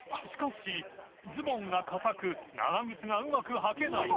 磴靴ズボンが硬く長靴がうまく履けない磴